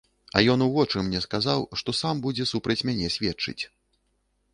А ён у вочы мне сказаў, што сам будзе супраць мяне сведчыць.